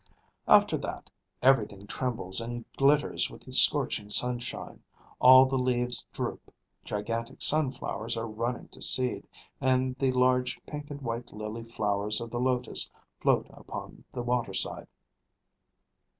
After that everything trembles and glitters with the scorching sunshine, all the leaves droop, gigantic sun flowers are running to seed, and the large pink and white lily flowers of the lotus float upon the waterside.